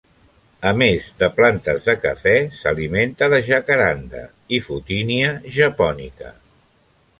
A més de plantes de cafè s'alimenta de jacaranda i "Photinia japonica".